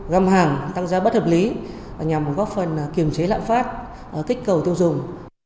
găm hàng tăng giá bất hợp lý nhằm góp phần kiềm chế lạm phát kích cầu tiêu dùng